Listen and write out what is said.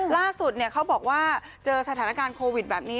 เขาบอกว่าเจอสถานการณ์โควิดแบบนี้